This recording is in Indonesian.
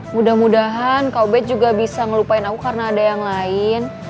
mudah mudahan kau bed juga bisa ngelupain aku karena ada yang lain